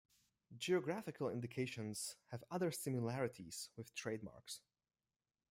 Geographical indications have other similarities with trademarks.